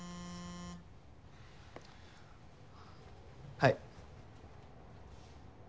はい。